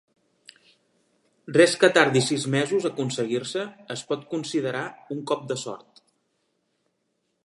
Res que tardi sis mesos a aconseguir-se es pot considerar un cop de sort.